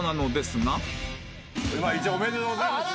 まあ一応おめでとうございます。